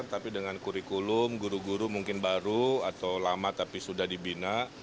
tapi dengan kurikulum guru guru mungkin baru atau lama tapi sudah dibina